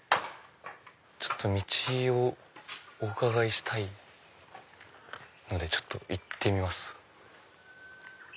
ちょっと道をお伺いしたいので行ってみます。